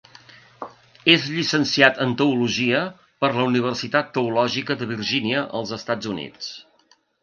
És llicenciat en teologia per la Universitat Teològica de Virgínia als Estats Units.